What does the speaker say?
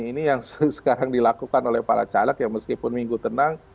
ini yang sekarang dilakukan oleh para caleg ya meskipun minggu tenang